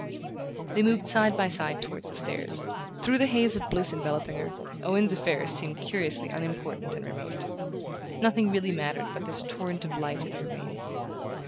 They moved side by side toward the stairs. Through the haze of bliss enveloping her, Owen's affairs seemed curiously unimportant and remote. Nothing really mattered but this torrent of light in her veins.